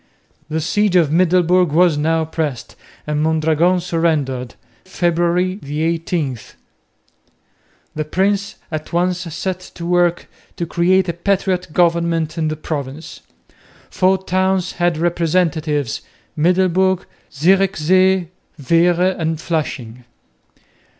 The siege of Middelburg was now pressed and Mondragon surrendered, February 18. The prince at once set to work to create a patriot government in the province. Four towns had representatives, Middelburg, Zierikzee, Veere and Flushing.